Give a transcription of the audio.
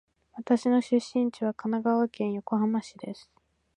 私の出身地は神奈川県横浜市です。